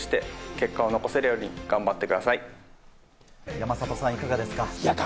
山里さん、いかがですか？